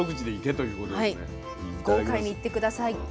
豪快にいって下さい。